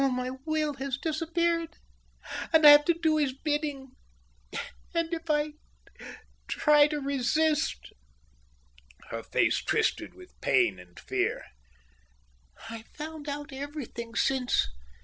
All my will has disappeared, and I have to do his bidding. And if I try to resist …" Her face twitched with pain and fear. "I've found out everything since.